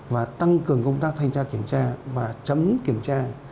và tăng cường công tác thanh tra kiểm tra và chấm kiểm tra